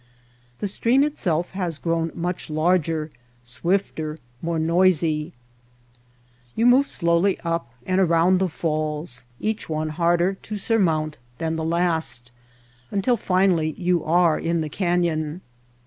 The stream itself has grown much larger, swifter, more noisy. You move slowly up and around the MOUNTAIN BARRIERS 217 falls, each one harder to surmount than the last, until finally you are in the canyon.